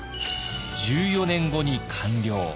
１４年後に完了。